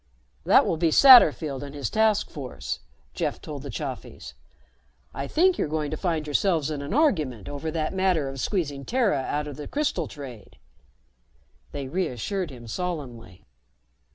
"That will be Satterfield and his task force," Jeff told the Chafis. "I think you're going to find yourselves in an argument over that matter of squeezing Terra out of the crystal trade." They reassured him solemnly.